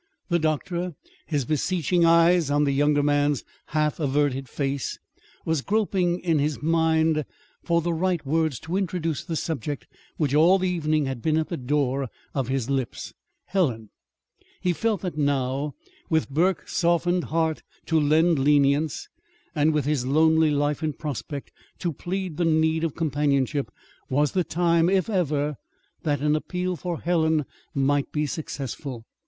The doctor, his beseeching eyes on the younger man's half averted face, was groping in his mind for the right words to introduce the subject which all the evening had been at the door of his lips Helen. He felt that now, with Burke's softened heart to lend lenience, and with his lonely life in prospect to plead the need of companionship, was the time, if ever, that an appeal for Helen might be successful.